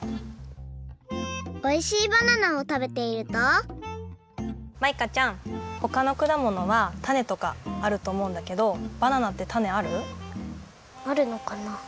おいしいバナナをたべているとマイカちゃんほかのくだものはタネとかあるとおもうんだけどあるのかな？